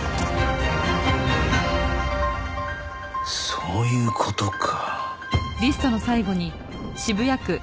そういう事か。